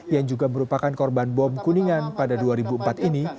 yang juga merupakan korban bom kuningan pada dua ribu empat ini